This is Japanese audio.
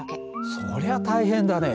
それは大変だね。